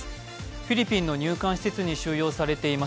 フィリピンの入管施設に収容されています